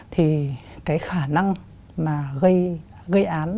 thì cái khả năng mà gây án